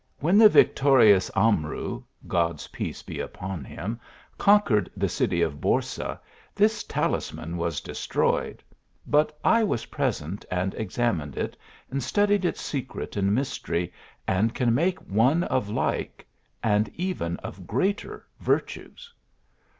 " When the victorious Amru (God s peace be upon him !) conquered the city of Borsa, this talisman was 114 THE ALHAM RA. destroyed; but I was present, and v ; ained it, and .studied its secret and mystery, and can make one of like, and even of greater virtues."